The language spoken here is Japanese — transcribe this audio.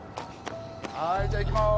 はいじゃあ行きます。